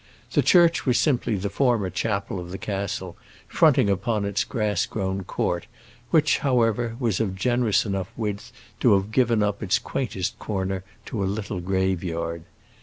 The church was simply the former chapel of the castle, fronting upon its grass grown court, which, however, was of generous enough width to have given up its quaintest corner to a little graveyard.